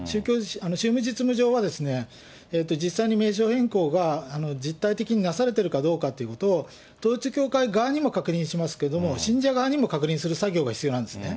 宗務実務上は、実際に名称変更が、実態的になされてるかどうかということを、統一教会側にも確認しますけれども、信者側にも確認する作業が必要なんですね。